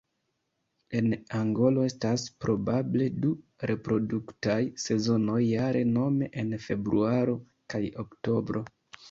En Angolo estas probable du reproduktaj sezonoj jare nome en februaro kaj oktobro.